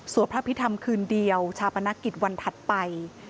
พระพิธรรมคืนเดียวชาปนกิจวันถัดไป